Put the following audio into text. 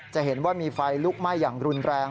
จะเห็นว่ามีไฟลุกไหม้อย่างรุนแรง